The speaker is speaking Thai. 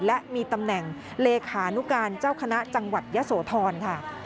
และมีตำแหน่งเลขานุการเจ้าคณะจังหวัดยะโสธรค่ะ